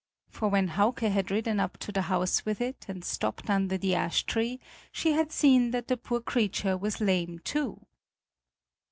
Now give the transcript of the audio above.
For when Hauke had ridden up to the house with it and stopped under the ash tree, she had seen that the poor creature was lame, too.